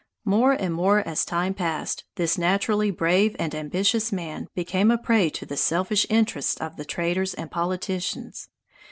More and more as time passed, this naturally brave and ambitious man became a prey to the selfish interests of the traders and politicians.